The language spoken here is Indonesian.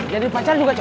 jadi pacar juga cocok